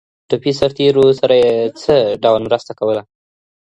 ټپي سرتېرو سره یې څه ډول مرسته کوله؟